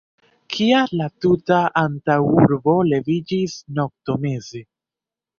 Kial la tuta antaŭurbo leviĝis noktomeze?